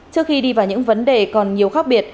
trước khi đi vào những vấn đề còn nhiều khác biệt